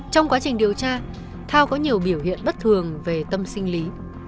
trong quá trình điều tra thao có nhiều biểu hiện bất thường về tâm sinh lý